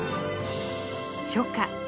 初夏。